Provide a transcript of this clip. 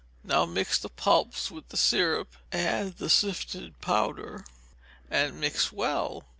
Now mix the pulps with the syrup, add the sifted powder, and mix well.